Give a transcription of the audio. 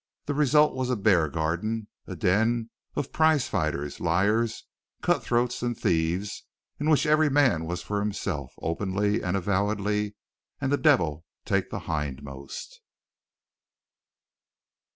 The result was a bear garden, a den of prize fighters, liars, cutthroats and thieves in which every man was for himself openly and avowedly and the devil take the hindmost.